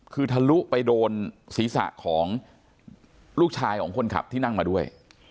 คือทะลุไปโดนศีรษะของลูกชายของคนขับที่นั่งมาด้วย